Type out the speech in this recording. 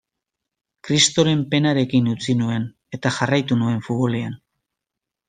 Kristoren penarekin utzi nuen, eta jarraitu nuen futbolean.